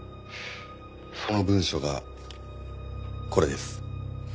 その文書がこれです。